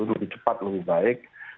lebih cepat lebih baik